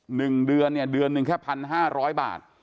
หนึ่งเดือนวันเดือนนึงแค่๑๕๐๐บาท